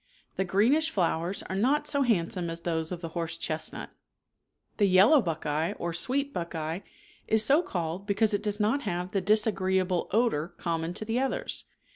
The greenish flowers are not so handsome as those of the horse chestnut. The yellow buckeye or sweet buckeye is so called be cause it does not have the disagreeable odor common to the others.